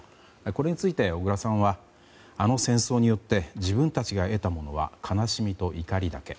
これについて、小倉さんはあの戦争によって自分たちが得たものは悲しみと怒りだけ。